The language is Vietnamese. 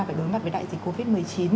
phải đối mặt với đại dịch covid một mươi chín